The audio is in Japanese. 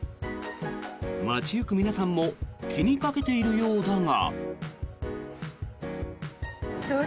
街行く皆さんも気にかけているようだが。